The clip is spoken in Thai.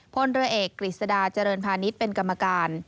พลเรือเอกกฤษดาเจริญพาณิชย์เป็นกรรมการ